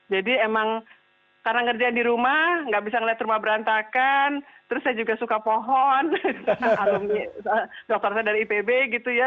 jadi emang karena kerjaan di rumah gak bisa ngeliat rumah berantakan terus saya juga suka pohon dokter saya dari ipb gitu ya